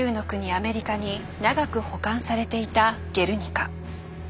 アメリカに長く保管されていた「ゲルニカ」。